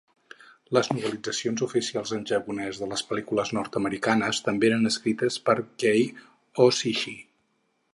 Les novel·litzacions oficials en japonès de les pel·lícules nord-americanes també eren escrites per Kei Ohishi.